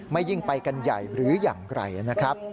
ยิ่งไปกันใหญ่หรืออย่างไรนะครับ